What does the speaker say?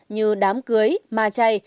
như đám cưới ma chay